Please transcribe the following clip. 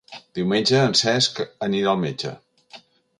Diumenge en Cesc anirà al metge.